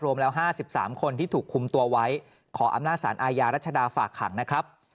รวมแล้ว๕๓คนที่ถูกคุมตัวไว้ขออำนาจสารอาญารัชดาฝากขังนะครับ